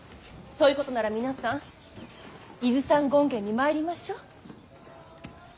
そういうことなら皆さん伊豆山権現に参りましょう。